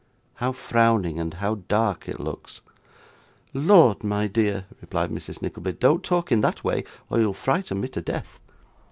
How frowning and how dark it looks!' 'Lord, my dear,' replied Mrs. Nickleby, 'don't talk in that way, or you'll frighten me to death.